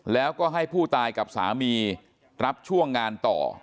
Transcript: แล้วก็ให้ผู้ตายกับสามีรับช่วงงานต่อ